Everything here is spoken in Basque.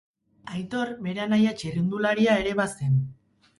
Aitor bere anaia txirrindularia ere bazen.